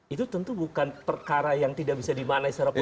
itu tentu bukan perkara yang tidak bisa dimaknai secara politik